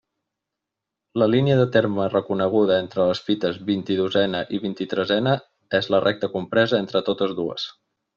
La línia de terme reconeguda entre les fites vint-i-dosena i vint-i-tresena és la recta compresa entre totes dues.